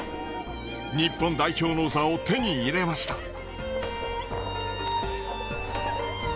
日本代表の座を手に入れました。